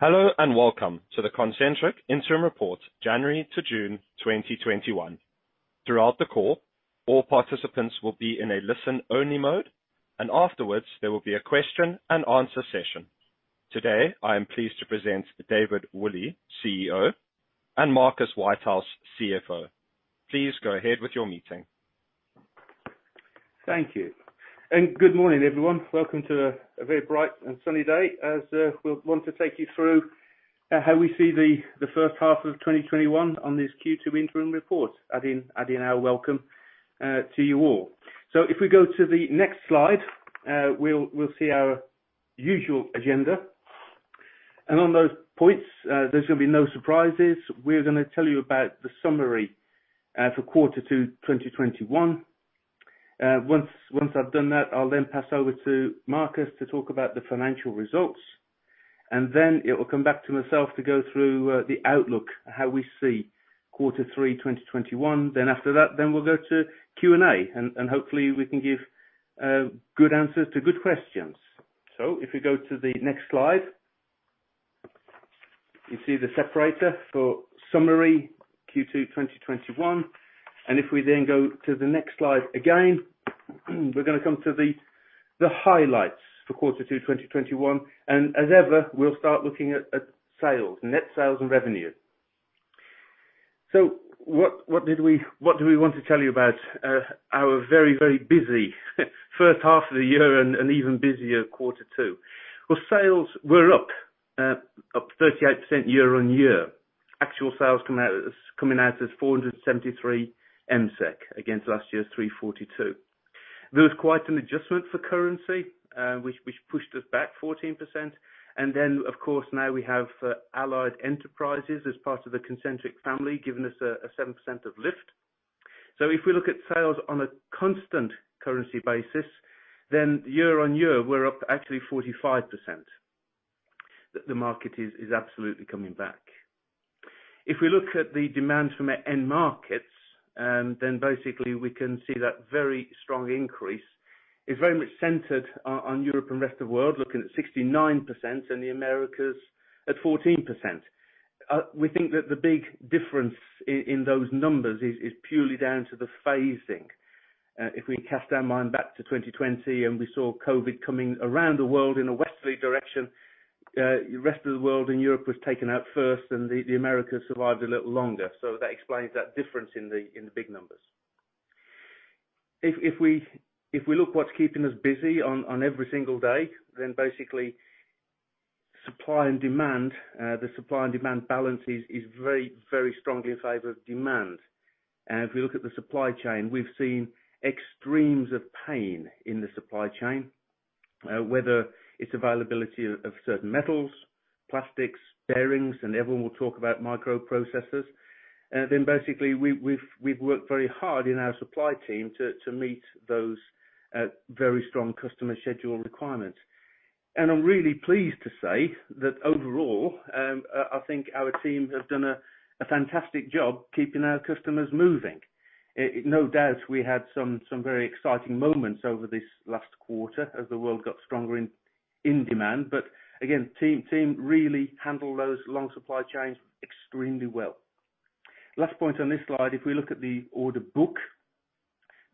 Hello, and welcome to the Concentric Interim Report, January to June 2021. Throughout the call, all participants will be in a listen-only mode, and afterwards, there will be a question-and-answer session. Today, I am pleased to present David Woolley, CEO, and Marcus Whitehouse, CFO. Please go ahead with your meeting. Thank you. Good morning, everyone. Welcome to a very bright and sunny day as we'll want to take you through how we see the first half of 2021 on this Q2 interim report, adding our welcome to you all. If we go to the next slide, we'll see our usual agenda. On those points, there's going to be no surprises. We're going to tell you about the summary for Q2 2021. Once I've done that, I'll then pass over to Marcus to talk about the financial results. It will come back to myself to go through the outlook, how we see Q3 2021, after that, we'll go to Q&A, hopefully we can give good answers to good questions. If we go to the next slide, you see the separator for summary Q2 2021. If we go to the next slide again, we're going to come to the highlights for Q2 2021, and as ever, we'll start looking at sales, net sales and revenue. What do we want to tell you about our very, very busy first half of the year and even busier Q2? Sales were up 38% year-on-year. Actual sales coming out as 473 MSEK against last year's 342 MSEK. There was quite an adjustment for currency, which pushed us back 14%. Of course, now we have Allied Enterprises as part of the Concentric family, giving us a 7% of lift. If we look at sales on a constant currency basis, then year-on-year, we're up actually 45%, that the market is absolutely coming back. If we look at the demand from end markets, basically we can see that very strong increase is very much centered on Europe and rest of the world, looking at 69% and the Americas at 14%. We think that the big difference in those numbers is purely down to the phasing. If we cast our mind back to 2020 and we saw COVID coming around the world in a westerly direction, rest of the world and Europe was taken out first and the Americas survived a little longer. That explains that difference in the big numbers. If we look what's keeping us busy on every single day, basically supply and demand, the supply and demand balance is very, very strongly in favor of demand. If we look at the supply chain, we've seen extremes of pain in the supply chain, whether it's availability of certain metals, plastics, bearings, and everyone will talk about microprocessors. Basically, we've worked very hard in our supply team to meet those very strong customer schedule requirements. I'm really pleased to say that overall, I think our team have done a fantastic job keeping our customers moving. No doubt we had some very exciting moments over this last quarter as the world got stronger in demand. Again, team really handled those long supply chains extremely well. Last point on this slide, if we look at the order book,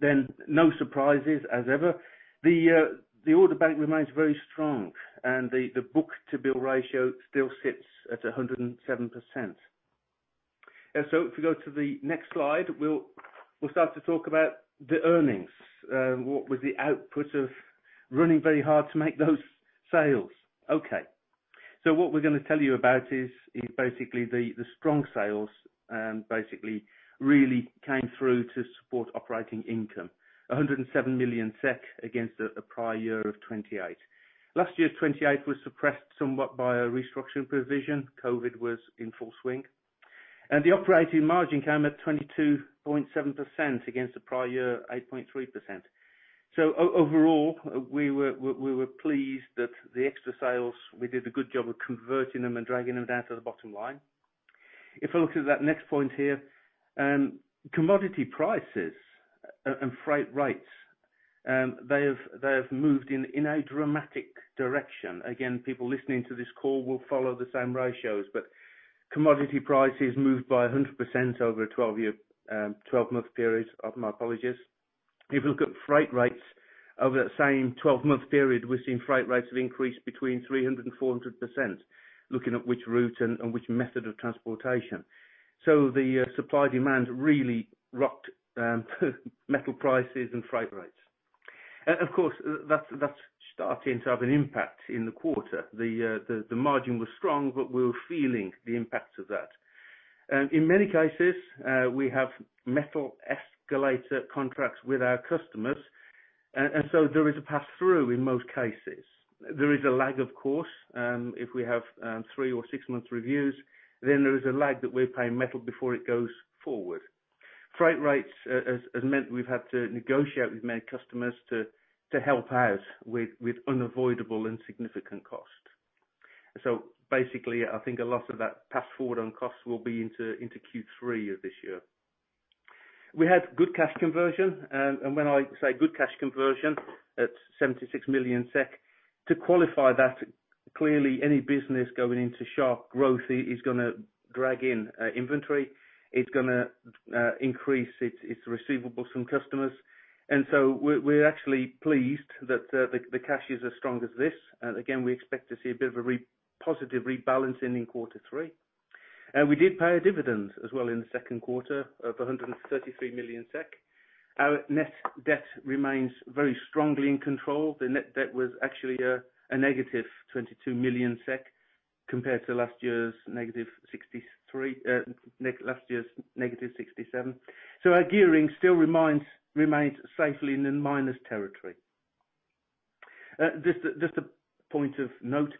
no surprises as ever. The order bank remains very strong and the book-to-bill ratio still sits at 107%. If we go to the next slide, we'll start to talk about the earnings. What was the output of running very hard to make those sales? Okay. What we're going to tell you about is basically the strong sales basically really came through to support operating income, 107 million SEK against a prior year of 28 million. Last year's 28 million was suppressed somewhat by a restructuring provision. COVID-19 was in full swing. The operating margin came at 22.7% against the prior year, 8.3%. Overall, we were pleased that the extra sales, we did a good job of converting them and dragging them down to the bottom line. If I look at that next point here, commodity prices and freight rates, they have moved in a dramatic direction. Again, people listening to this call will follow the same ratios, but commodity prices moved by 100% over a 12-month period. If you look at freight rates over that same 12-month period, we're seeing freight rates have increased between 300% and 400%, looking at which route and which method of transportation. The supply demand really rocked metal prices and freight rates. Of course, that's starting to have an impact in the quarter. The margin was strong, but we were feeling the impact of that. In many cases, we have metal escalator contracts with our customers, there is a pass-through in most cases. There is a lag, of course. If we have three or six-month reviews, there is a lag that we're paying metal before it goes forward. Freight rates has meant we've had to negotiate with many customers to help out with unavoidable and significant cost. Basically, I think a lot of that pass forward on costs will be into Q3 of this year. We had good cash conversion, and when I say good cash conversion at 76 million SEK, to qualify that, clearly any business going into sharp growth is going to drag in inventory, it's going to increase its receivables from customers. We're actually pleased that the cash is as strong as this. Again, we expect to see a bit of a positive rebalancing in quarter three. We did pay a dividend as well in the second quarter of 133 million SEK. Our net debt remains very strongly in control. The net debt was actually a -22 million SEK compared to last year's -67 million. Our gearing still remains safely in the minus territory. Just a point of note.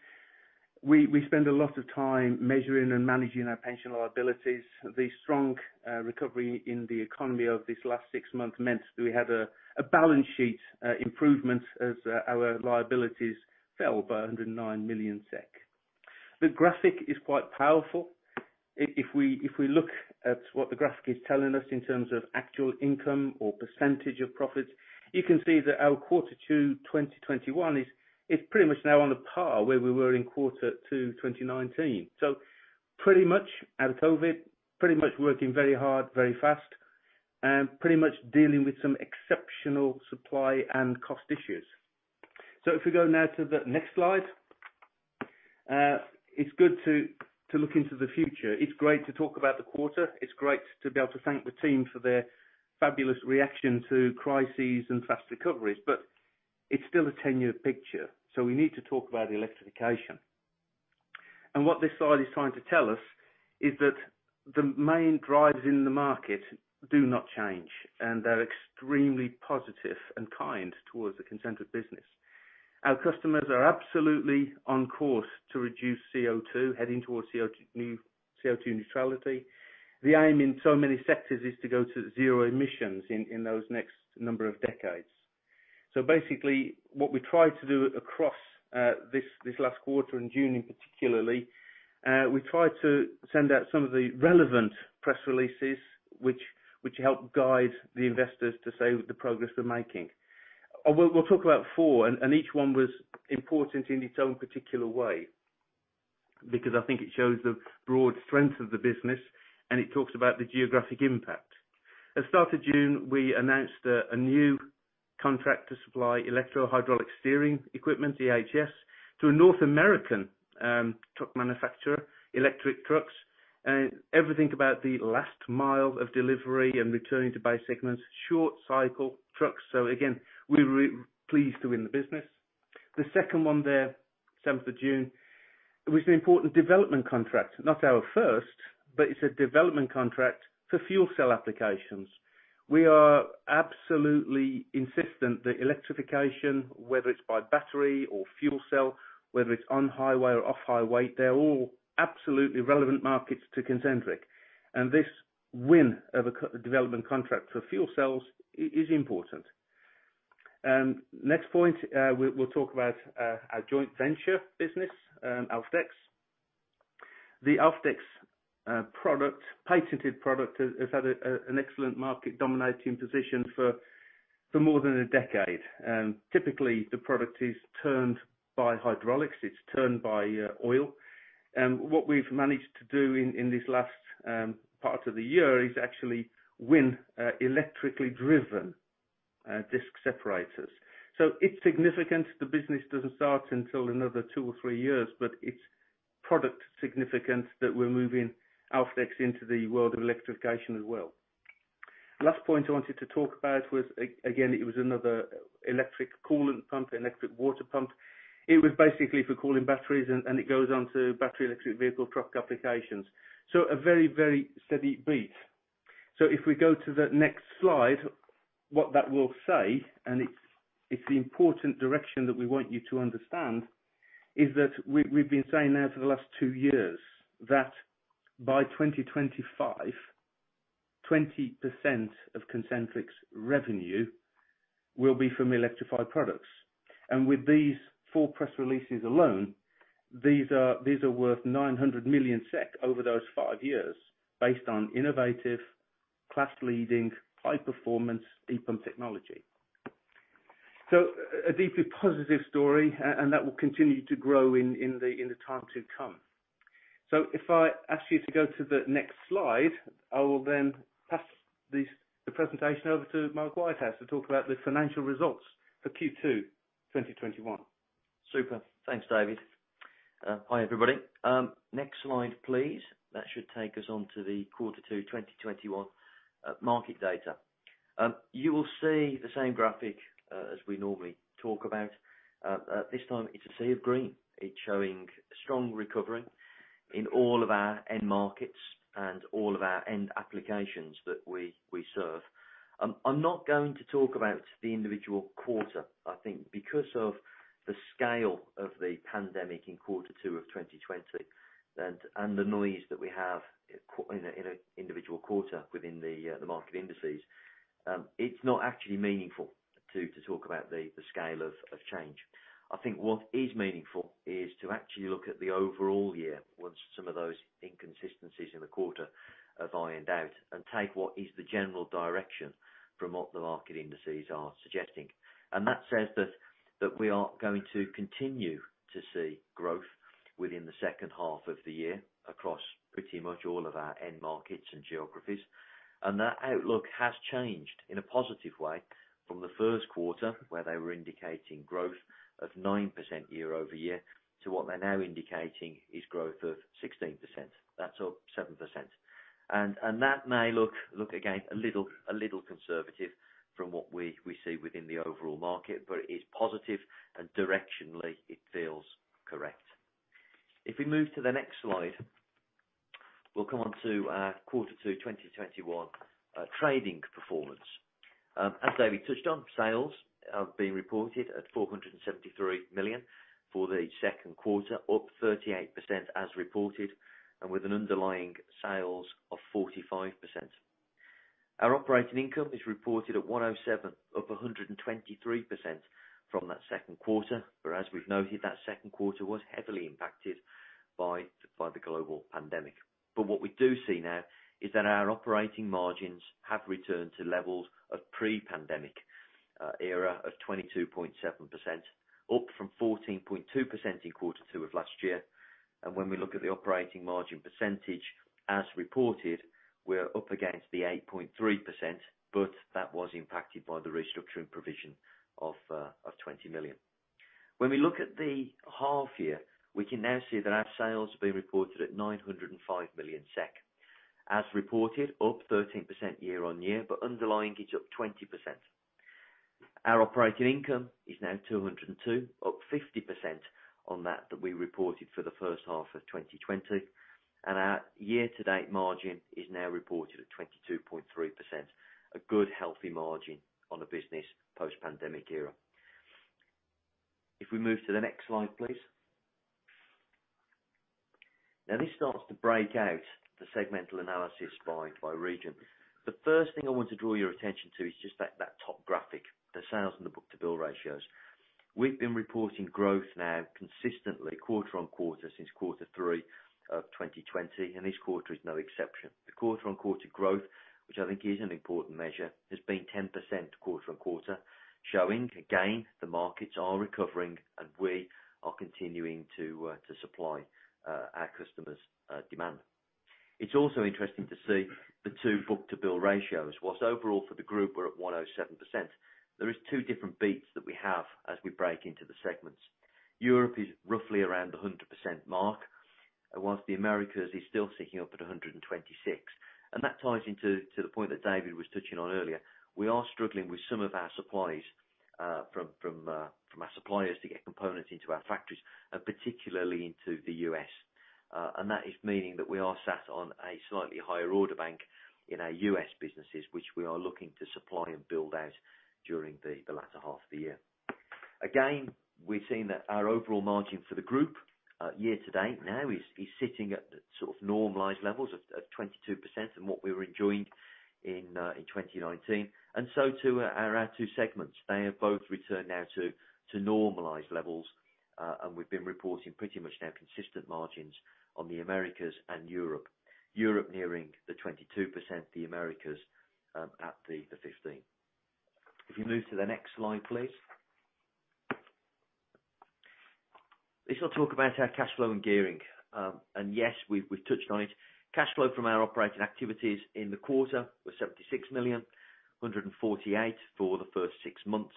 We spend a lot of time measuring and managing our pension liabilities. The strong recovery in the economy over this last six months meant that we had a balance sheet improvement as our liabilities fell by 109 million SEK. The graphic is quite powerful. If we look at what the graphic is telling us in terms of actual income or percentage of profits, you can see that our Q2 2021 is pretty much now on par where we were in Q2 2019. Pretty much out of COVID-19, pretty much working very hard, very fast, and pretty much dealing with some exceptional supply and cost issues. If we go now to the next slide. It's good to look into the future. It's great to talk about the quarter. It's great to be able to thank the team for their fabulous reaction to crises and fast recoveries, but it's still a 10-year picture, so we need to talk about electrification. What this slide is trying to tell us is that the main drivers in the market do not change, and they're extremely positive and kind towards the Concentric business. Our customers are absolutely on course to reduce CO2, heading towards new CO2 neutrality. The aim in so many sectors is to go to zero emissions in those next number of decades. Basically, what we tried to do across this last quarter, in June particularly, we tried to send out some of the relevant press releases which help guide the investors to say the progress we're making. We'll talk about four, each one was important in its own particular way because I think it shows the broad strength of the business and it talks about the geographic impact. At the start of June, we announced a new contract to supply electro-hydraulic steering equipment, EHS, to a North American truck manufacturer, electric trucks, everything about the last mile of delivery and returning to base segments, short cycle trucks. Again, we were pleased to win the business. The second one there, 7th of June, was an important development contract. Not our 1st, but it's a development contract for fuel cell applications. We are absolutely insistent that electrification, whether it's by battery or fuel cell, whether it's on highway or off highway, they're all absolutely relevant markets to Concentric. This win of a development contract for fuel cells is important. Next point, we'll talk about our joint venture business, Alfdex. The Alfdex patented product has had an excellent market-dominating position for more than a decade. Typically, the product is turned by hydraulics, it's turned by oil. What we've managed to do in this last part of the year is actually win electrically driven disc separators. It's significant the business doesn't start until another two or three years, but it's product significance that we're moving Alfdex into the world of electrification as well. Last point I wanted to talk about was, again, it was another electric coolant pump, electric water pump. It was basically for cooling batteries, and it goes on to battery electric vehicle truck applications. A very, very steady beat. If we go to the next slide, what that will say, and it's the important direction that we want you to understand is that we've been saying now for the last two years that by 2025, 20% of Concentric's revenue will be from electrified products. With these four press releases alone, these are worth 900 million SEK over those five years based on innovative, class-leading, high-performance e-pump technology. A deeply positive story, and that will continue to grow in the time to come. If I ask you to go to the next slide, I will then pass the presentation over to Marcus Whitehouse to talk about the financial results for Q2 2021. Super. Thanks, David. Hi, everybody. Next slide, please. That should take us on to the Q2 2021 market data. You will see the same graphic as we normally talk about. This time it's a sea of green. It's showing strong recovery in all of our end markets and all of our end applications that we serve. I'm not going to talk about the individual quarter. I think because of the scale of the pandemic in Q2 2020 and the noise that we have in an individual quarter within the market indices, it's not actually meaningful to talk about the scale of change. I think what is meaningful is to actually look at the overall year once some of those inconsistencies in the quarter are ironed out, take what is the general direction from what the market indices are suggesting. That says that we are going to continue to see growth within the second half of the year across pretty much all of our end markets and geographies. That outlook has changed in a positive way from the first quarter, where they were indicating growth of 9% year-over-year, to what they're now indicating is growth of 16%. That's up 7%. That may look, again, a little conservative from what we see within the overall market, but it is positive, and directionally, it feels correct. If we move to the next slide, we'll come on to our Q2 2021 trading performance. As David touched on, sales have been reported at 473 million for the second quarter, up 38% as reported, and with an underlying sales of 45%. Our operating income is reported at 107 million, up 123% from that second quarter. As we've noted, that second quarter was heavily impacted by the global pandemic. What we do see now is that our operating margins have returned to levels of pre-pandemic era of 22.7%, up from 14.2% in Q2 of last year. When we look at the operating margin percentage as reported, we are up against the 8.3%, but that was impacted by the restructuring provision of 20 million. When we look at the half year, we can now see that our sales have been reported at 905 million SEK, as reported up 13% year-on-year, but underlying is up 20%. Our operating income is now 202, up 50% on that we reported for the first half of 2020. Our year-to-date margin is now reported at 22.3%, a good, healthy margin on a business post-pandemic era. If we move to the next slide, please. Now this starts to break out the segmental analysis by region. The first thing I want to draw your attention to is just that top graphic, the sales and the book-to-bill ratios. We've been reporting growth now consistently quarter-on-quarter since quarter three of 2020, and this quarter is no exception. The quarter-on-quarter growth, which I think is an important measure, has been 10% quarter-on-quarter, showing again, the markets are recovering and we are continuing to supply our customers' demand. It's also interesting to see the two book-to-bill ratios. Whilst overall for the group we're at 107%, there is two different beats that we have as we break into the segments. Europe is roughly around the 100% mark, whilst the Americas is still ticking up at 126%. That ties into to the point that David was touching on earlier. We are struggling with some of our supplies from our suppliers to get components into our factories, particularly into the U.S. That is meaning that we are sat on a slightly higher order bank in our U.S. businesses, which we are looking to supply and build out during the latter half of the year. We've seen that our overall margin for the group year-to-date now is sitting at the normalized levels of 22% and what we were enjoying in 2019. So too are our two segments. They have both returned now to normalized levels, and we've been reporting pretty much now consistent margins on the Americas and Europe. Europe nearing the 22%, the Americas at the 15%. If you move to the next slide, please. This will talk about our cash flow and gearing. Yes, we've touched on it. Cash flow from our operating activities in the quarter was 76 million, 148 million for the first six months.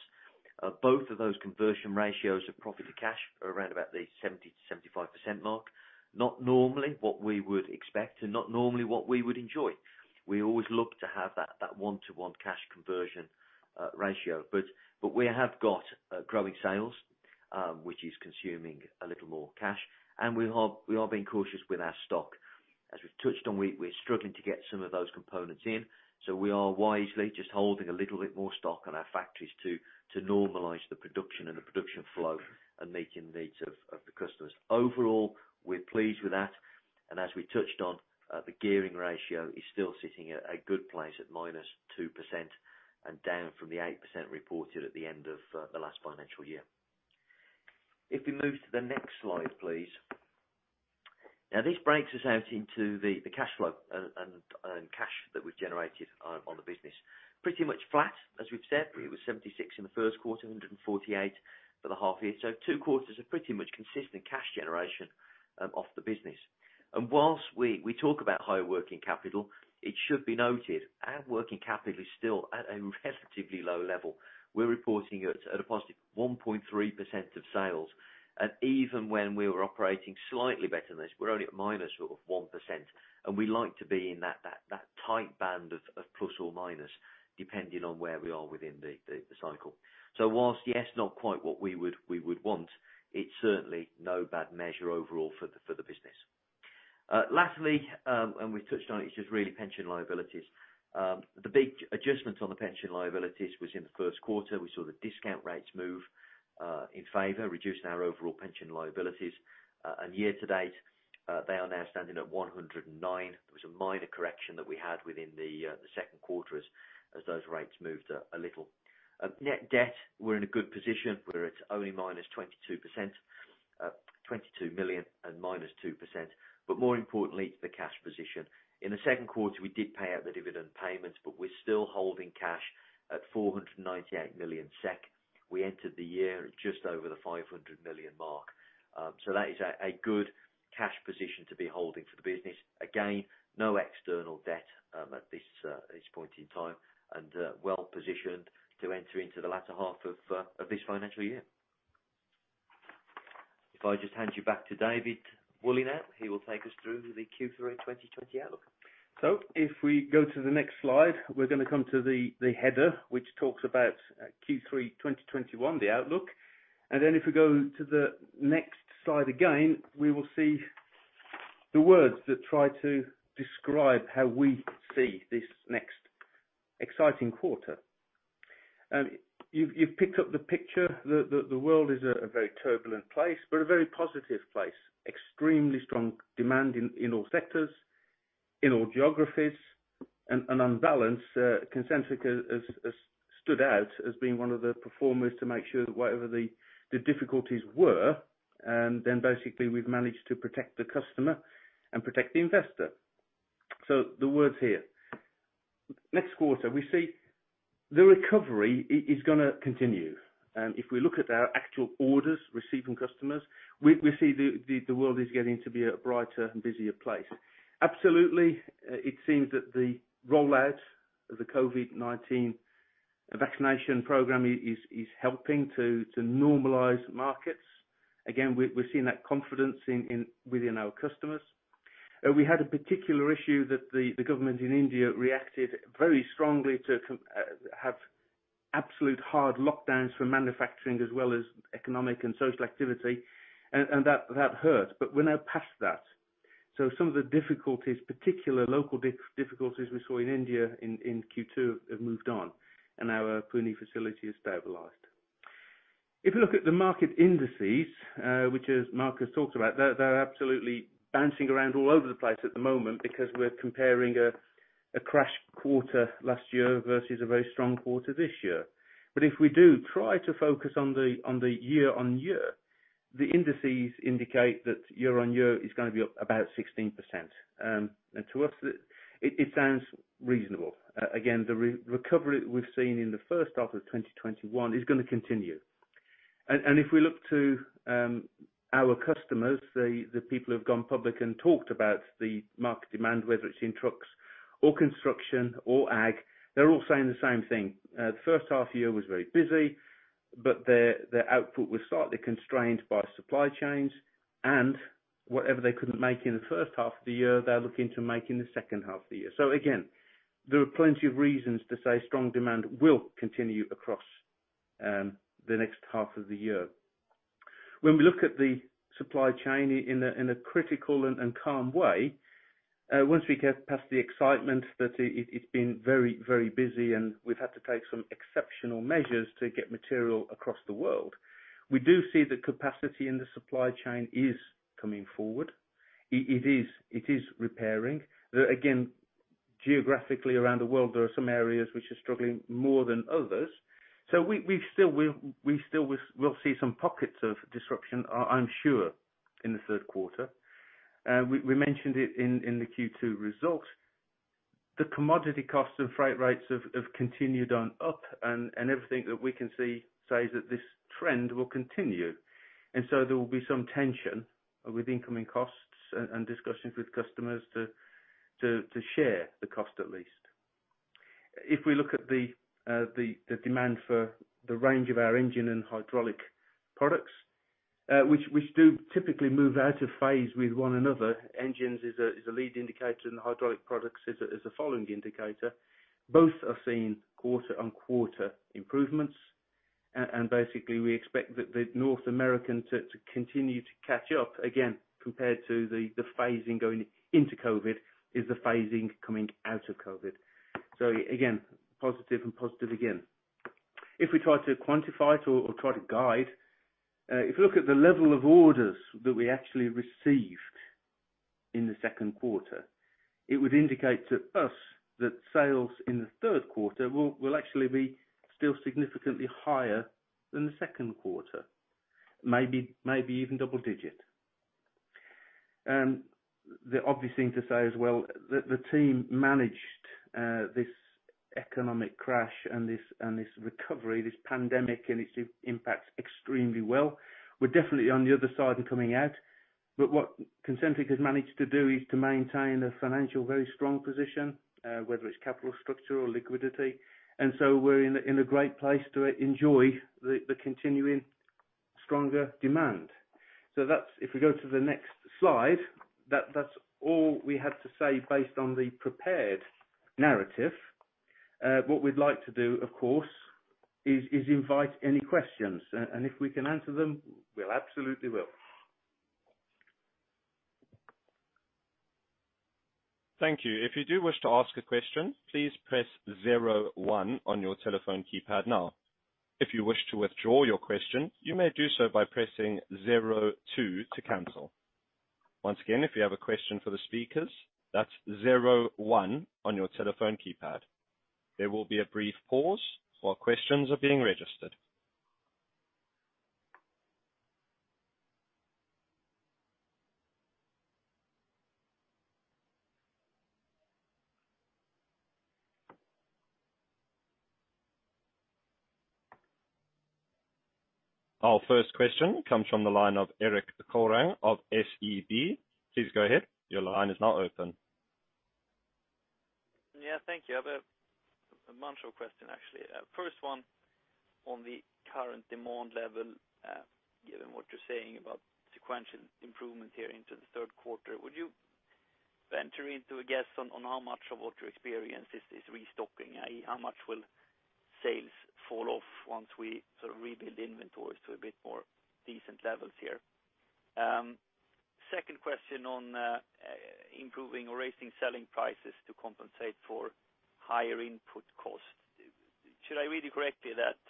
Both of those conversion ratios of profit to cash are around about the 70%-75% mark. Not normally what we would expect and not normally what we would enjoy. We always look to have that one-to-one cash conversion ratio. We have got growing sales, which is consuming a little more cash, and we are being cautious with our stock. As we've touched on, we're struggling to get some of those components in, so we are wisely just holding a little bit more stock on our factories to normalize the production and the production flow and meeting the needs of the customers. Overall, we're pleased with that. As we touched on, the gearing ratio is still sitting at a good place at minus 2% and down from the 8% reported at the end of the last financial year. If we move to the next slide, please. This breaks us out into the cash flow and cash that we've generated on the business. Pretty much flat, as we've said, it was 76 in the first quarter, 148 for the half year. Two quarters of pretty much consistent cash generation off the business. Whilst we talk about high working capital, it should be noted our working capital is still at a relatively low level. We're reporting it at a positive 1.3% of sales. Even when we were operating slightly better than this, we're only at -1%, and we like to be in that tight band of plus or minus, depending on where we are within the cycle. Whilst, yes, not quite what we would want, it's certainly no bad measure overall for the business. Lastly, we've touched on it's just really pension liabilities. The big adjustment on the pension liabilities was in the first quarter. We saw the discount rates move in favor, reducing our overall pension liabilities. Year to date, they are now standing at 109 million. Some minor correction that we had within the second quarter as those rates moved a little. Net debt, we're in a good position where it's only -22%, 22 million and -2%. More importantly, it's the cash position. In the second quarter, we did pay out the dividend payments. We're still holding cash at 498 million SEK. We entered the year at just over the 500 million mark. That is a good cash position to be holding for the business. Again, no external debt at this point in time, and well-positioned to enter into the latter half of this financial year. If I just hand you back to David Woolley now, he will take us through the Q3 2020 outlook. If we go to the next slide, we're going to come to the header, which talks about Q3 2021, the outlook. If we go to the next slide again, we will see the words that try to describe how we see this next exciting quarter. You've picked up the picture. The world is a very turbulent place, but a very positive place. Extremely strong demand in all sectors, in all geographies, and on balance, Concentric has stood out as being one of the performers to make sure that whatever the difficulties were, then basically we've managed to protect the customer and protect the investor. The words here. Next quarter, we see the recovery is going to continue. If we look at our actual orders received from customers, we see the world is getting to be a brighter and busier place. Absolutely, it seems that the rollout of the COVID-19 vaccination program is helping to normalize markets. Again, we are seeing that confidence within our customers. We had a particular issue that the government in India reacted very strongly to have absolute hard lockdowns for manufacturing as well as economic and social activity, and that hurt, but we're now past that. Some of the difficulties, particular local difficulties we saw in India in Q2 have moved on, and our Pune facility has stabilized. If you look at the market indices, which as Marcus has talked about, they're absolutely bouncing around all over the place at the moment because we're comparing a crash quarter last year versus a very strong quarter this year. If we do try to focus on the year-on-year, the indices indicate that year-on-year is going to be up about 16%. To us, it sounds reasonable. Again, the recovery we've seen in the first half of 2021 is going to continue. If we look to our customers, the people who have gone public and talked about the market demand, whether it's in trucks or construction or ag, they're all saying the same thing. The first half year was very busy, but their output was slightly constrained by supply chains, and whatever they couldn't make in the first half of the year, they're looking to make in the second half of the year. Again, there are plenty of reasons to say strong demand will continue across the next half of the year. When we look at the supply chain in a critical and calm way, once we get past the excitement that it's been very, very busy and we've had to take some exceptional measures to get material across the world, we do see the capacity in the supply chain is coming forward. It is repairing. Again, geographically around the world, there are some areas which are struggling more than others. We still will see some pockets of disruption, I'm sure, in the third quarter. We mentioned it in the Q2 results. The commodity costs and freight rates have continued on up. Everything that we can see says that this trend will continue. There will be some tension with incoming costs and discussions with customers to share the cost at least. If we look at the demand for the range of our engine and hydraulic products which do typically move out of phase with one another. Engines is a lead indicator, and the hydraulic products is a following indicator. Both are seeing quarter-on-quarter improvements. Basically, we expect that North America to continue to catch up again compared to the phasing going into COVID is the phasing coming out of COVID. Again, positive and positive again. If we try to quantify it or try to guide, if you look at the level of orders that we actually received in the second quarter, it would indicate to us that sales in the third quarter will actually be still significantly higher than the second quarter, maybe even double-digit. The obvious thing to say as well, the team managed this economic crash and this recovery, this pandemic and its impact extremely well. We're definitely on the other side and coming out. What Concentric has managed to do is to maintain a financial very strong position, whether it's capital structure or liquidity. We're in a great place to enjoy the continuing stronger demand. If we go to the next slide, that's all we had to say based on the prepared narrative. What we'd like to do, of course, is invite any questions. If we can answer them, we absolutely will. Thank you. If you do wish to ask a question, please press zero one on your telephone keypad now. If you wish to withdraw your question, you may do so by pressing zero two to cancel. Once again, if you have a question for the speakers, that's zero one on your telephone keypad. There will be a brief pause while questions are being registered. Our first question comes from the line of Erik Golrang of SEB. Please go ahead. Your line is now open. Yeah, thank you. I have a bunch of question actually. First one on the current demand level, given what you're saying about sequential improvement here into the third quarter. Would you venture into a guess on how much of what you experience is restocking? How much will sales fall off once we sort of rebuild inventories to a bit more decent levels here? Second question on improving or raising selling prices to compensate for higher input costs. Should I read you correctly that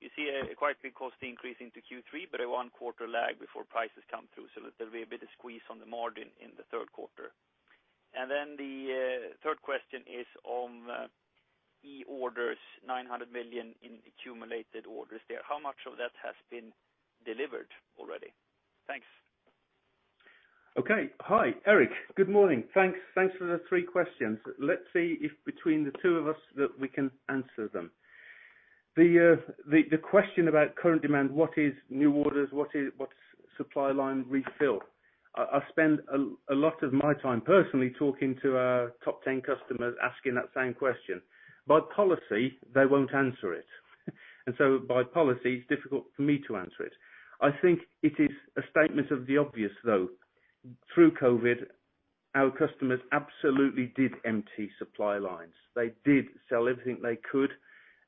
you see a quite big cost increase into Q3 but a one-quarter lag before prices come through, so there'll be a bit of squeeze on the margin in the third quarter? The third question is on e-orders, 900 million in accumulated orders there. How much of that has been delivered already? Thanks. Okay. Hi, Erik. Good morning. Thanks for the three questions. Let's see if between the two of us that we can answer them. The question about current demand, what is new orders, what's supply line refill? I spend a lot of my time personally talking to our top 10 customers asking that same question. By policy, they won't answer it. By policy, it's difficult for me to answer it. I think it is a statement of the obvious, though. Through COVID-19, our customers absolutely did empty supply lines. They did sell everything they could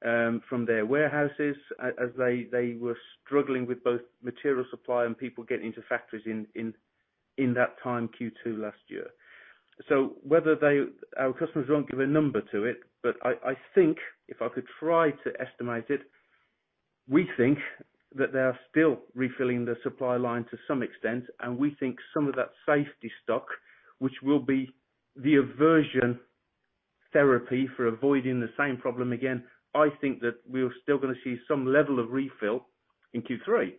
from their warehouses as they were struggling with both material supply and people getting into factories in that time Q2 last year. Our customers won't give a number to it, but I think if I could try to estimate it, we think that they are still refilling the supply line to some extent, and we think some of that safety stock, which will be the aversion therapy for avoiding the same problem again, I think that we are still going to see some level of refill in Q3.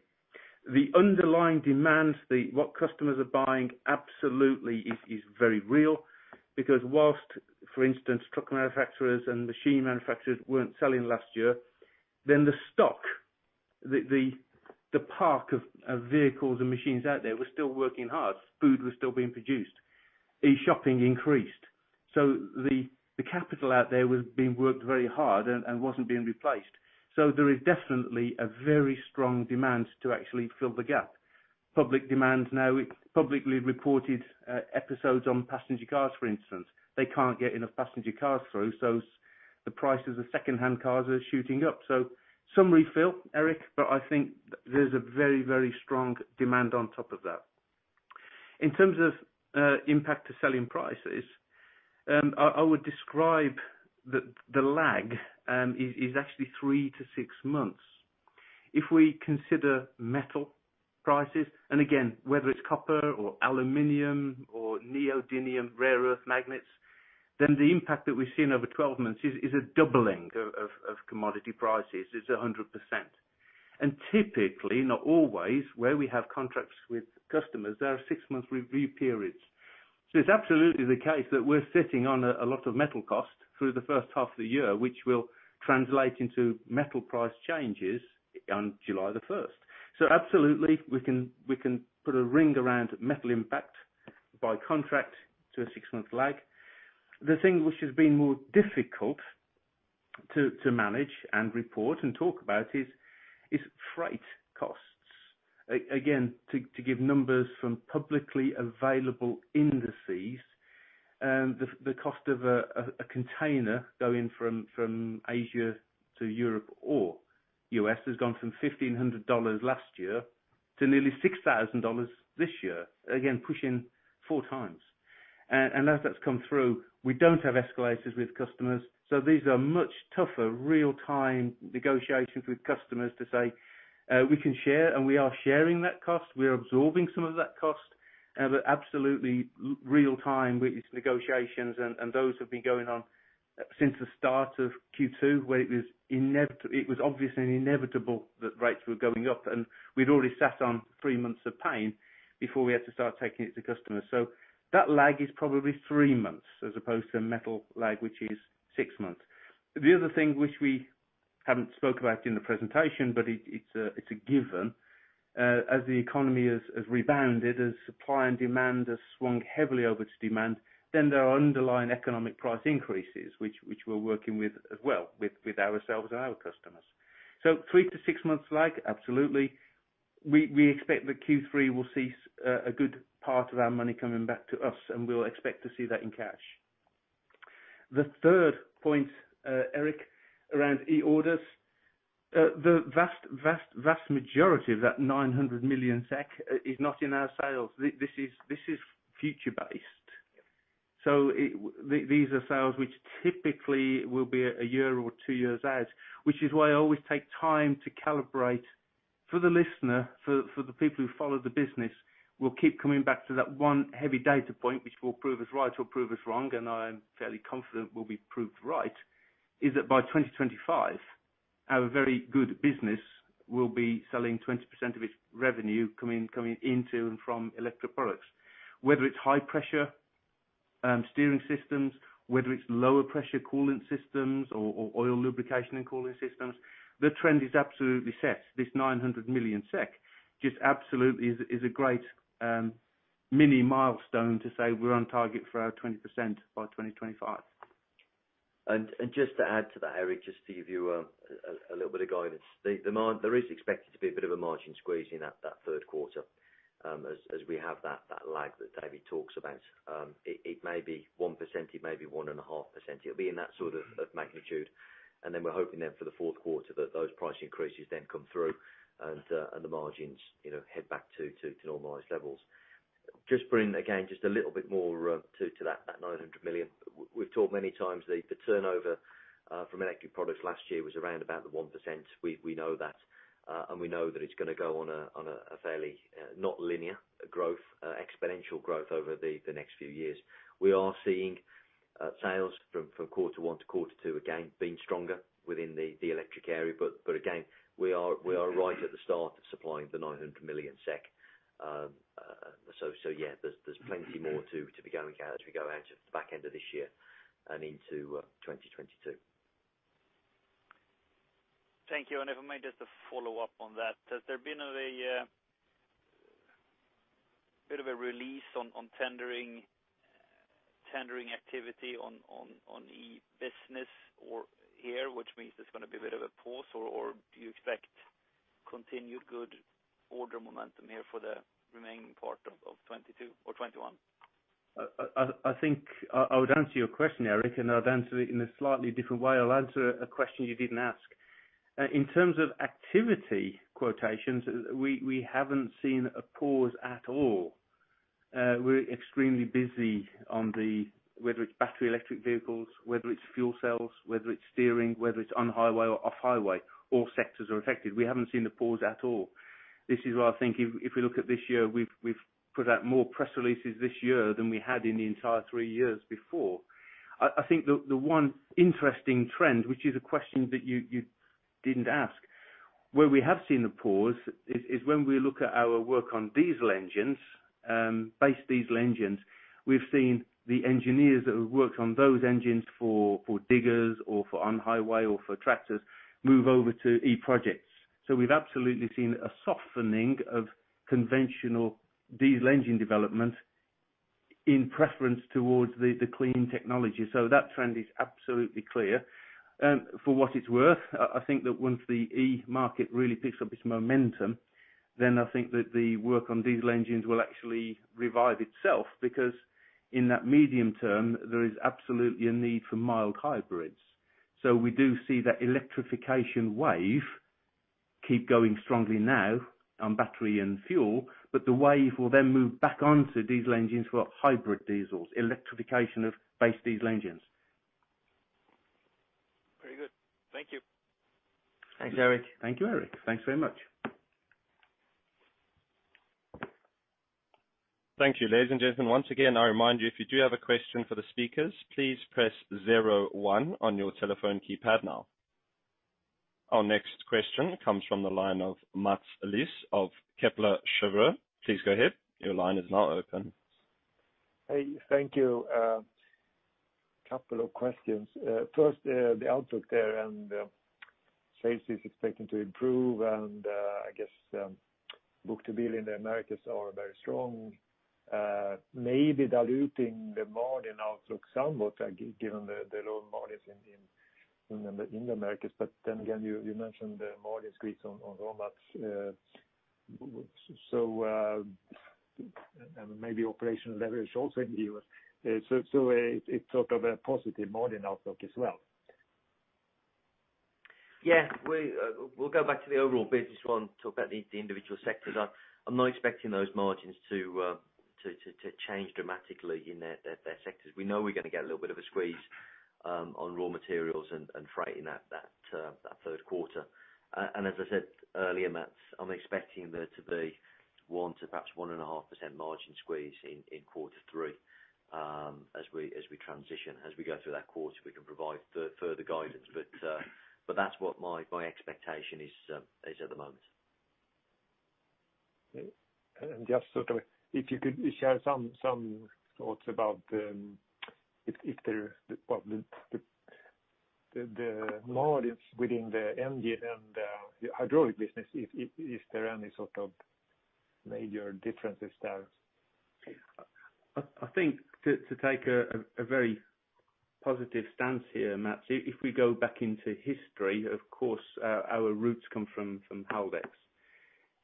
The underlying demands, what customers are buying absolutely is very real because whilst, for instance, truck manufacturers and machine manufacturers weren't selling last year, then the stock, the park of vehicles and machines out there were still working hard. Food was still being produced. E-shopping increased. The capital out there was being worked very hard and wasn't being replaced. There is definitely a very strong demand to actually fill the gap. Public demand now, publicly reported episodes on passenger cars, for instance. They can't get enough passenger cars through. The prices of secondhand cars are shooting up. Some refill, Erik, but I think there's a very, very strong demand on top of that. In terms of impact to selling prices, I would describe that the lag is actually three to six months. If we consider metal prices, and again, whether it's copper or aluminum or neodymium rare earth magnets, then the impact that we've seen over 12 months is a doubling of commodity prices. It's 100%. Typically, not always, where we have contracts with customers, there are 6 months review periods. It's absolutely the case that we're sitting on a lot of metal cost through the first half of the year, which will translate into metal price changes on July 1st. Absolutely, we can put a ring around metal impact by contract to a 6-month lag. The thing which has been more difficult to manage and report and talk about is freight costs. Again, to give numbers from publicly available indices, the cost of a container going from Asia to Europe or U.S. has gone from $1,500 last year to nearly $6,000 this year. Again, pushing 4x. As that's come through, we don't have escalators with customers. These are much tougher real-time negotiations with customers to say, we can share, and we are sharing that cost. We are absorbing some of that cost. Absolutely real time with these negotiations, and those have been going on since the start of Q2, where it was obviously inevitable that rates were going up, and we'd already sat on three months of pain before we had to start taking it to customers. That lag is probably three months as opposed to a metal lag, which is six months. The other thing which we haven't spoke about in the presentation, but it's a given, as the economy has rebounded, as supply and demand has swung heavily over to demand, then there are underlying economic price increases, which we're working with as well, with ourselves and our customers. Three to six months lag, absolutely. We expect that Q3 will see a good part of our money coming back to us, and we'll expect to see that in cash. The third point, Erik, around e-orders. The vast majority of that 900 million SEK is not in our sales. This is future-based. These are sales which typically will be one year or two years out, which is why I always take time to calibrate for the listener, for the people who follow the business. We'll keep coming back to that one heavy data point, which will prove us right or prove us wrong, and I am fairly confident we'll be proved right, is that by 2025, our very good business will be selling 20% of its revenue coming into and from electric products. Whether it's high-pressure steering systems, whether it's lower pressure coolant systems or oil lubrication and cooling systems, the trend is absolutely set. This 900 million SEK just absolutely is a great mini milestone to say we're on target for our 20% by 2025. Just to add to that, Erik, just to give you a little bit of guidance. There is expected to be a bit of a margin squeeze in that third quarter as we have that lag that David talks about. It may be 1%, it may be 1.5%. It'll be in that sort of magnitude. Then we're hoping then for the fourth quarter that those price increases then come through and the margins head back to normalized levels. Just bring, again, just a little bit more to that 900 million. We've talked many times, the turnover from electric products last year was around about the 1%. We know that, we know that it's going to go on a fairly not linear growth, exponential growth over the next few years. We are seeing sales from quarter one to quarter two, again, being stronger within the electric area. Again, we are right at the start of supplying the 900 million SEK. Yeah, there's plenty more to be going at as we go out to the back end of this year and into 2022. Thank you. If I may, just to follow up on that. Has there been a bit of a release on tendering activity on the e-business or here, which means there is going to be a bit of a pause, or do you expect continued good order momentum here for the remaining part of 2022 or 2021? I think I would answer your question, Erik. I'd answer it in a slightly different way. I'll answer a question you didn't ask. In terms of activity quotations, we haven't seen a pause at all. We're extremely busy on the whether it's battery electric vehicles, whether it's fuel cells, whether it's steering, whether it's on-highway or off-highway, all sectors are affected. We haven't seen the pause at all. I think if we look at this year, we've put out more press releases this year than we had in the entire three years before. I think the one interesting trend, which is a question that you didn't ask, where we have seen the pause is when we look at our work on diesel engines, base diesel engines. We've seen the engineers that have worked on those engines for diggers or for on-highway or for tractors move over to e-projects. We've absolutely seen a softening of conventional diesel engine development in preference towards the clean technology. That trend is absolutely clear. For what it's worth, I think that once the e-market really picks up its momentum, I think that the work on diesel engines will actually revive itself because in that medium term, there is absolutely a need for mild hybrids. We do see that electrification wave keep going strongly now on battery and fuel, the wave will then move back onto diesel engines for hybrid diesels, electrification of base diesel engines. Very good. Thank you. Thanks, Erik. Thank you, Erik. Thanks very much. Thank you. Ladies and gentlemen, once again, I remind you, if you do have a question for the speakers, please press zero one on your telephone keypad now. Our next question comes from the line of Mats Liss of Kepler Cheuvreux. Please go ahead. Your line is now open. Hey. Thank you. A couple of questions. First, the outlook there and safety is expecting to improve and I guess book-to-bill in the Americas are very strong. Maybe diluting the margin outlook somewhat given the low margins in the Americas. You mentioned the margin squeeze on raw mats. Maybe operational leverage also in the U.S. It's sort of a positive margin outlook as well. Yeah. We'll go back to the overall business one, talk about the individual sectors. I'm not expecting those margins to change dramatically in their sectors. We know we're going to get a little bit of a squeeze on raw materials and freight in that third quarter. As I said earlier, Mats, I'm expecting there to be 1% to perhaps 1.5% margin squeeze in quarter three as we transition, as we go through that quarter, we can provide further guidance. That's what my expectation is at the moment. Just sort of if you could share some thoughts about the margins within the engine and the hydraulic business, is there any sort of major differences there? I think to take a very positive stance here, Mats, if we go back into history, of course, our roots come from Haldex.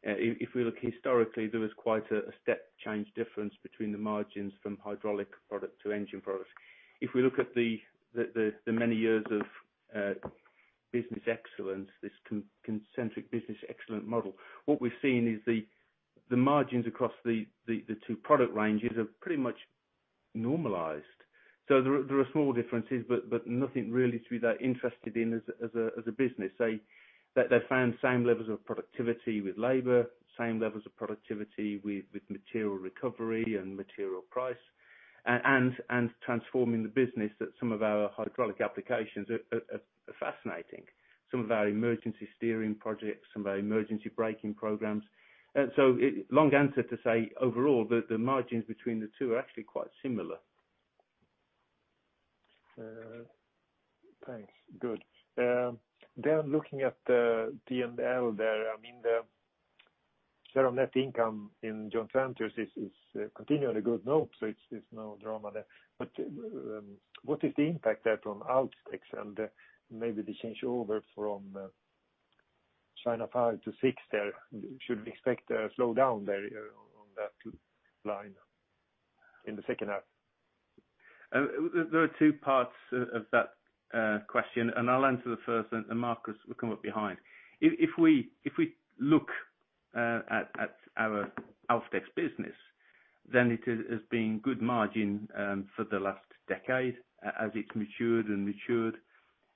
If we look historically, there was quite a step change difference between the margins from hydraulic product to engine product. If we look at the many years of business excellence, this Concentric business excellent model, what we're seeing is the margins across the two product ranges have pretty much normalized. There are small differences, but nothing really to be that interested in as a business. They found same levels of productivity with labor, same levels of productivity with material recovery and material price, and transforming the business that some of our hydraulic applications are fascinating, some of our emergency steering projects, some of our emergency braking programs. Long answer to say, overall, the margins between the two are actually quite similar. Thanks. Good. Looking at the P&L there, the share of net income in joint ventures is continually good. It's no drama there. What is the impact there from Alfdex and maybe the changeover from China five to six there? Should we expect a slowdown there on that line in the second half? There are two parts of that question, and I'll answer the first, and Marcus will come up behind. If we look at our Alfdex business, it has been good margin for the last decade as it's matured and matured,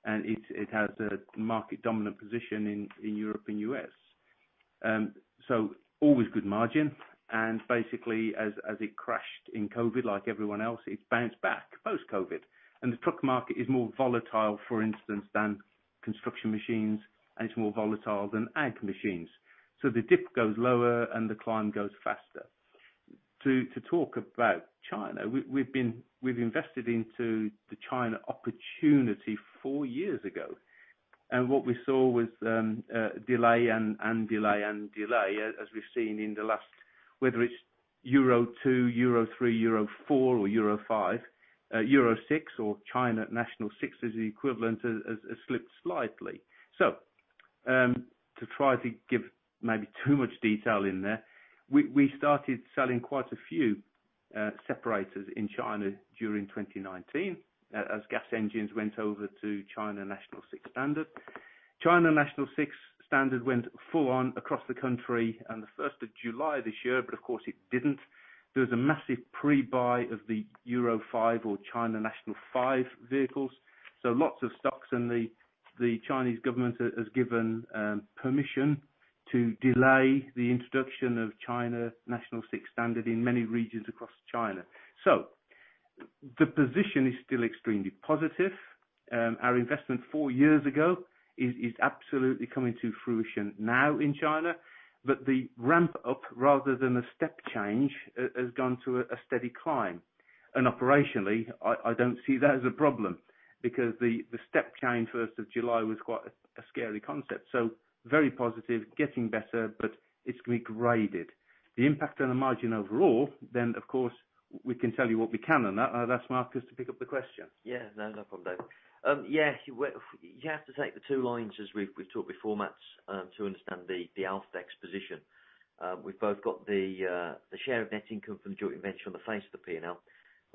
and it has a market dominant position in Europe and the U.S. Always good margin, and basically as it crashed in COVID, like everyone else, it bounced back post-COVID. The truck market is more volatile, for instance, than construction machines, and it's more volatile than ag machines. The dip goes lower, and the climb goes faster. To talk about China, we've invested into the China opportunity four years ago. What we saw was delay and delay and delay, as we've seen in the last, whether it's Euro 2, Euro 3, Euro 4, or Euro 5. Euro 6 or China National VI is the equivalent, has slipped slightly. To try to give maybe too much detail in there, we started selling quite a few separators in China during 2019 as gas engines went over to China National VI standard. China National VI standard went full on across the country on the 1st of July this year, of course it didn't. There was a massive pre-buy of the Euro 5 or China National V vehicles. Lots of stocks, the Chinese government has given permission to delay the introduction of China National VI standard in many regions across China. The position is still extremely positive. Our investment four years ago is absolutely coming to fruition now in China, the ramp-up rather than a step change, has gone through a steady climb. Operationally, I don't see that as a problem because the step change 1st of July was quite a scary concept. Very positive, getting better, but it's going to be graded. The impact on the margin overall, then, of course, we can tell you what we can on that. I'll ask Marcus to pick up the question. No problem, David. You have to take the two lines as we've talked before, Mat, to understand the Alfdex position. We've both got the share of net income from the joint venture on the face of the P&L.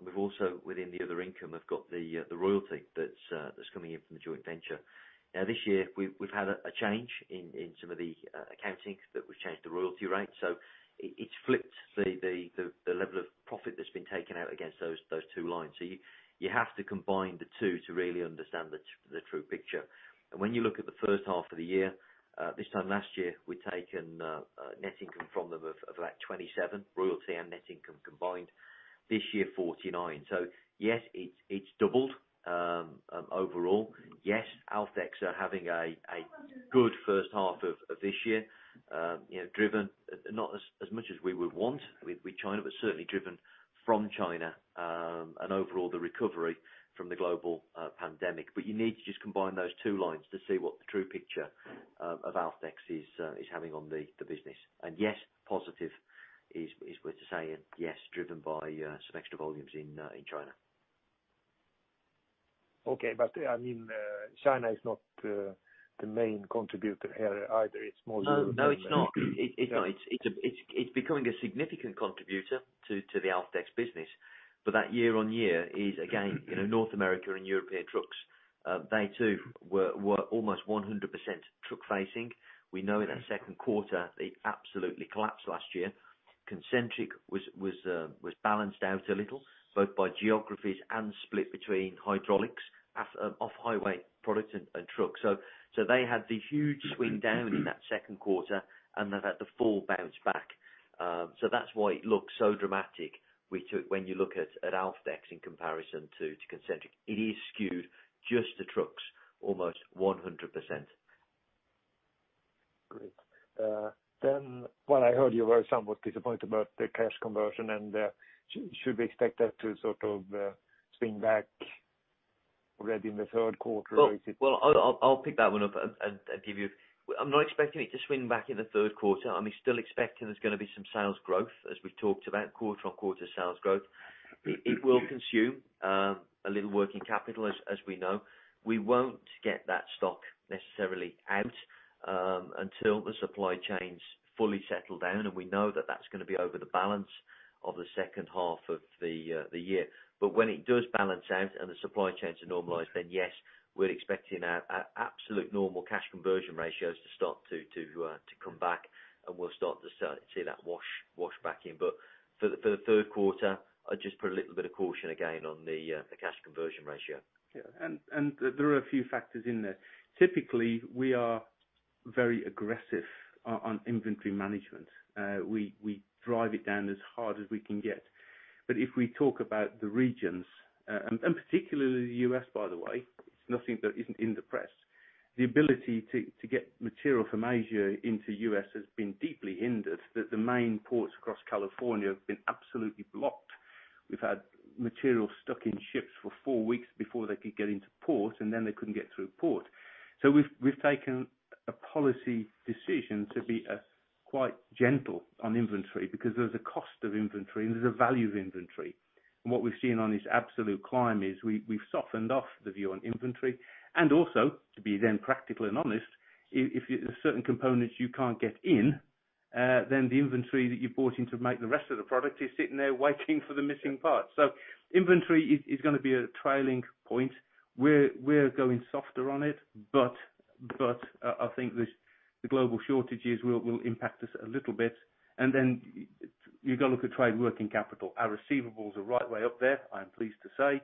We've also, within the other income, have got the royalty that's coming in from the joint venture. Now this year, we've had a change in some of the accounting that we've changed the royalty rate. It's flipped the level of profit that's been taken out against those two lines. You have to combine the two to really understand the true picture. When you look at the first half of the year, this time last year, we'd taken net income from them of about 27 million, royalty and net income combined. This year, 49 million. Yes, it's doubled overall. Alfdex are having a good first half of this year, driven not as much as we would want with China, certainly driven from China and overall the recovery from the global pandemic. You need to just combine those two lines to see what the true picture of Alfdex is having on the business. Yes, positive is worth saying. Driven by some extra volumes in China. Okay. China is not the main contributor here either. No, it's not. It's becoming a significant contributor to the Alfdex business. That year-on-year is, again, North America and European trucks, they too were almost 100% truck facing. We know in that second quarter, they absolutely collapsed last year. Concentric was balanced out a little, both by geographies and split between hydraulics, off-highway products and trucks. They had the huge swing down in that second quarter, and they've had the full bounce back. That's why it looks so dramatic when you look at Alfdex in comparison to Concentric. It is skewed just to trucks almost 100%. Great. well, I heard you were somewhat disappointed about the cash conversion, and should we expect that to sort of swing back already in the third quarter? Well, I'll pick that one up. I'm not expecting it to swing back in Q3 2021. I mean, still expecting there's going to be some sales growth as we've talked about quarter-on-quarter sales growth. It will consume a little working capital as we know. We won't get that stock necessarily out until the supply chains fully settle down, and we know that that's going to be over the balance of the second half of the year. When it does balance out and the supply chains are normalized, then yes, we're expecting our absolute normal cash conversion ratios to start to come back, and we'll start to see that wash back in. For Q3 2021, I'd just put a little bit of caution again on the cash conversion ratio. Yeah. There are a few factors in there. Typically, we are very aggressive on inventory management. We drive it down as hard as we can get. If we talk about the regions, and particularly the U.S., by the way, it's nothing that isn't in the press. The ability to get material from Asia into U.S. has been deeply hindered. The main ports across California have been absolutely blocked. We've had material stuck in ships for four weeks before they could get into port, and then they couldn't get through port. We've taken a policy decision to be quite gentle on inventory because there's a cost of inventory, and there's a value of inventory. What we've seen on this absolute climb is we've softened off the view on inventory and also, to be practical and honest, if there are certain components you can't get in, the inventory that you bought in to make the rest of the product is sitting there waiting for the missing part. Inventory is going to be a trailing point. We're going softer on it, I think the global shortages will impact us a little bit. You got to look at trade working capital. Our receivables are right way up there, I am pleased to say.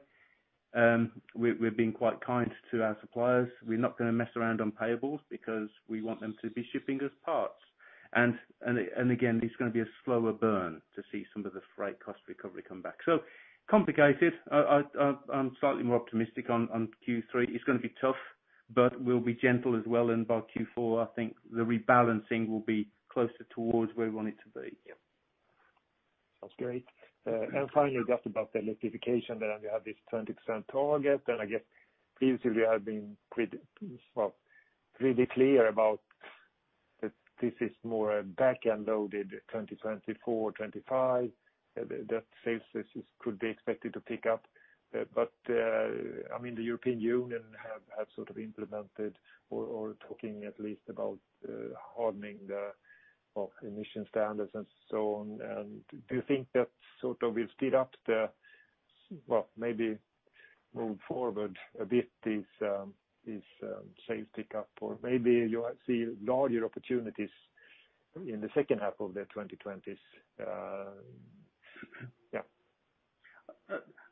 We're being quite kind to our suppliers. We're not going to mess around on payables because we want them to be shipping us parts. Again, it's going to be a slower burn to see some of the freight cost recovery come back. Complicated. I'm slightly more optimistic on Q3. It's going to be tough, but we'll be gentle as well. By Q4, I think the rebalancing will be closer towards where we want it to be. Sounds great. Finally, just about the electrification there, we have this 20% target, and I guess previously you have been pretty clear about that this is more a back-end loaded 2024, 2025 that sales could be expected to pick up. The European Union have sort of implemented or are talking at least about hardening the emission standards and so on. Do you think that sort of will speed up, well, maybe move forward a bit this sales pick up? Or maybe you see larger opportunities in the second half of the 2020s?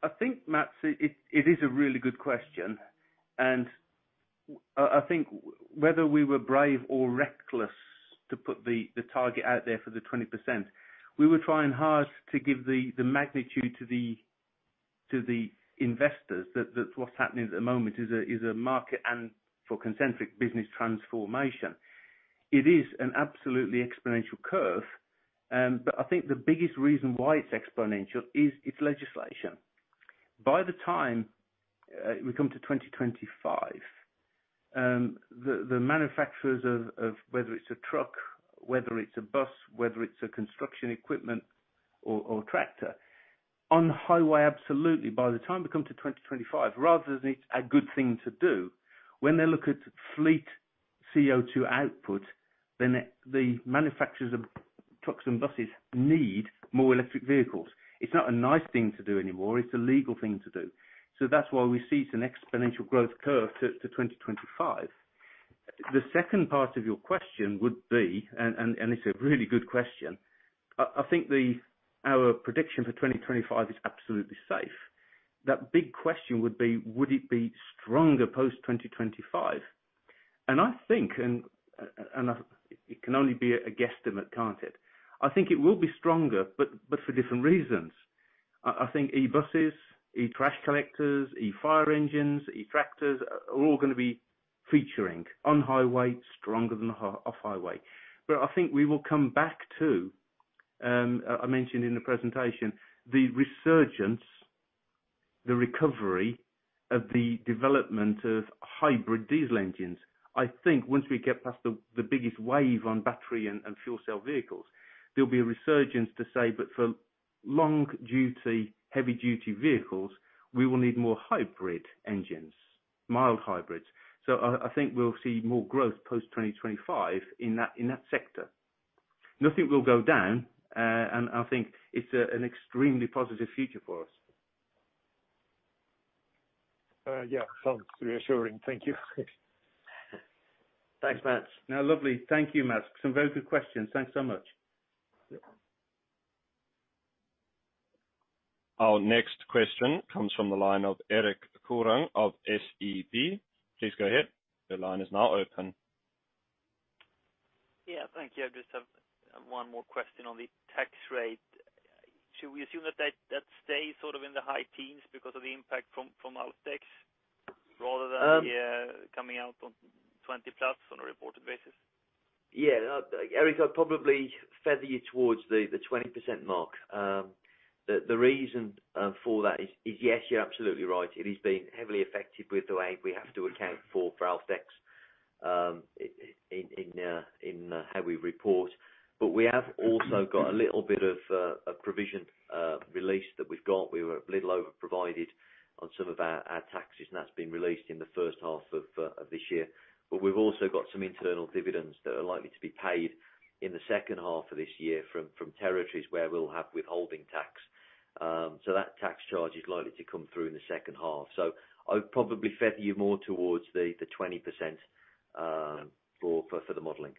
I think, Mats Liss, it is a really good question, and I think whether we were brave or reckless to put the target out there for the 20%, we were trying hard to give the magnitude to the investors that what's happening at the moment is a market and for Concentric business transformation. It is an absolutely exponential curve. I think the biggest reason why it's exponential is it's legislation. By the time we come to 2025, the manufacturers of whether it's a truck, whether it's a bus, whether it's a construction equipment or tractor, on highway, absolutely, by the time we come to 2025, rather than it's a good thing to do when they look at fleet CO2 output, then the manufacturers of trucks and buses need more electric vehicles. It's not a nice thing to do anymore. It's a legal thing to do. That's why we see it's an exponential growth curve to 2025. The second part of your question would be, and it's a really good question, I think our prediction for 2025 is absolutely safe. That big question would be, would it be stronger post-2025? I think, and it can only be a guesstimate, can't it? I think it will be stronger, but for different reasons. I think e-buses, e-trash collectors, e-fire engines, e-tractors are all going to be featuring on highway stronger than off highway. I think we will come back to, I mentioned in the presentation, the resurgence, the recovery of the development of hybrid diesel engines. I think once we get past the biggest wave on battery and fuel cell vehicles, there'll be a resurgence to say, but for long-duty, heavy-duty vehicles, we will need more hybrid engines, mild hybrids. I think we'll see more growth post-2025 in that sector. Nothing will go down, and I think it's an extremely positive future for us. Yeah. Sounds reassuring. Thank you. Thanks, Mats. No, lovely. Thank you, Mats. Some very good questions. Thanks so much. Our next question comes from the line of Erik Golrang of SEB. Please go ahead. Yeah, thank you. I just have one more question on the tax rate. Should we assume that that stays sort of in the high teens because of the impact from Alfdex rather than coming out on 20+ on a reported basis? Erik, I'd probably feather you towards the 20% mark. The reason for that is, yes, you're absolutely right. It is being heavily affected with the way we have to account for Alfdex in how we report. We have also got a little bit of a provision release that we've got. We were a little over-provided on some of our taxes, and that's been released in the first half of this year. We've also got some internal dividends that are likely to be paid in the second half of this year from territories where we'll have withholding tax. That tax charge is likely to come through in the second half. I would probably feather you more towards the 20% for the modeling.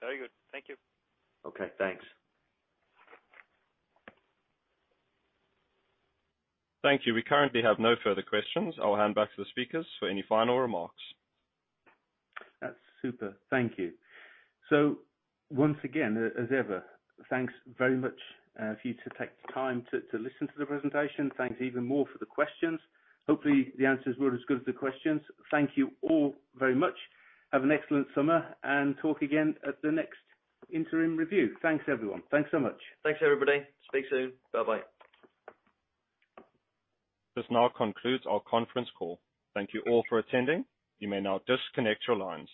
Very good. Thank you. Okay, thanks. Thank you. We currently have no further questions. I'll hand back to the speakers for any final remarks. That's super. Thank you. Once again, as ever, thanks very much for you to take the time to listen to the presentation. Thanks even more for the questions. Hopefully, the answers were as good as the questions. Thank you all very much. Have an excellent summer, and talk again at the next interim review. Thanks, everyone. Thanks so much. Thanks, everybody. Speak soon. Bye-bye. This now concludes our conference call. Thank you all for attending. You may now disconnect your lines.